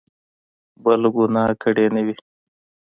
بله ګناه کړې نه وي.